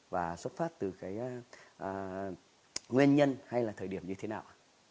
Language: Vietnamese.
và xuất phát từ cái nguyên nhân hay là thời điểm như thế nào ạ